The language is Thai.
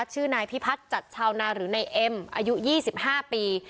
ชื่อนายพิพัฒน์จัดชาวนาหรือนายเอ็มอายุ๒๕ปี